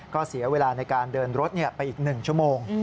ก็เสียเวลาในการเดินรถไปอีก๑ชั่วโมง